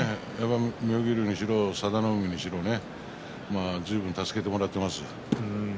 妙義龍にしろ佐田の海にしろずいぶん助けてもらっています。